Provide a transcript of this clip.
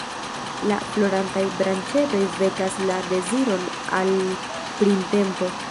La florantaj branĉetoj vekas la deziron al printempo.